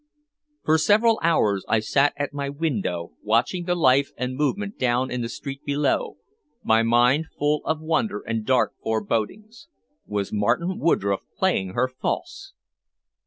For several hours I sat at my window watching the life and movement down in the street below, my mind full of wonder and dark forebodings. Was Martin Woodroffe playing her false?